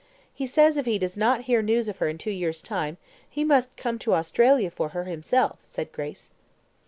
He says, if he does not hear news of her in two years' time, he must come to Australia for her himself," said Grace.